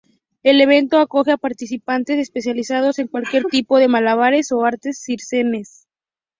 El evento acoge a participantes especializados en cualquier tipo de malabares o artes circenses.